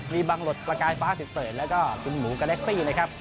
มีบังหลดประกายฟ้าสิเสริญแล้วก็คุณหมูกาแล็กซี่นะครับ